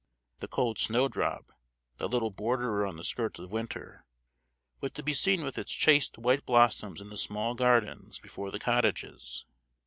The cold snow drop, that little borderer on the skirts of winter, was to be seen with its chaste white blossoms in the small gardens before the cottages.